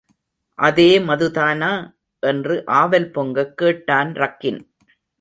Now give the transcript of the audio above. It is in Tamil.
அதே மதுதானா? என்று ஆவல் பொங்கக் கேட்டான் ரக்கின்.